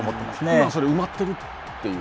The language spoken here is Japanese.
今、それは埋まっているという